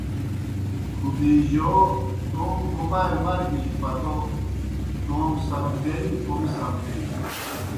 خدیجہؓ او توموْ بُبَائے مرگِجیْ پتو توموْ ساؤدگری کوْم سمٹیگیْ۔